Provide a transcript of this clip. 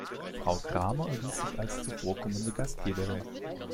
Frau Kramer erwies sich als zuvorkommende Gastgeberin.